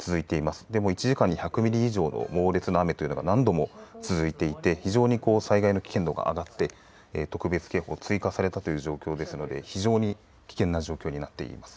１時間に１００ミリ以上の猛烈な雨が何度も続いていて非常に災害の危険度が上がって特別警報が追加されたという状況ですので非常に危険な状況になっています。